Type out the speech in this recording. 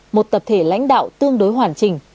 một tập thể lãnh đạo tương đối hoàn chỉnh